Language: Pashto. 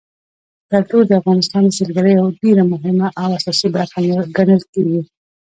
کلتور د افغانستان د سیلګرۍ یوه ډېره مهمه او اساسي برخه ګڼل کېږي.